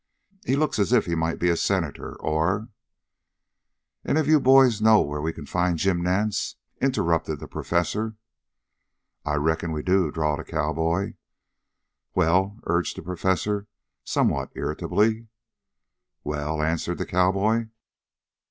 He looks as if he might be a Senator, or " "Any of you boys know where we can find Jim Nance?" interrupted the Professor. "I reckon we do," drawled a cowboy. "Well?" urged the Professor somewhat irritably. "Wal?" answered the cowboy.